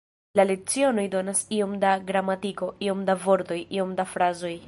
La lecionoj donas iom da gramatiko, iom da vortoj, iom da frazoj.